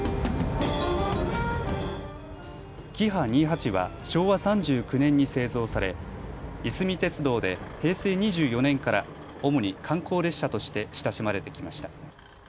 キハ２８は昭和３９年に製造されいすみ鉄道で平成２４年から主に観光列車として親しまれてきました。